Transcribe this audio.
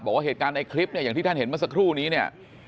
บอกว่าเหตุการณ์ในคลิปเนี่ยอย่างที่ท่านเห็นเมื่อสักครู่นี้เนี่ย